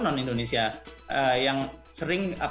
non indonesia yang sering